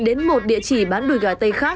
gọi điện đến một địa chỉ bán đùi gà tây